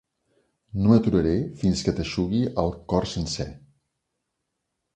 No m'aturaré fins que t'eixugue el cor sencer.